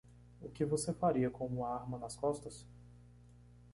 O que você faria com uma arma nas costas?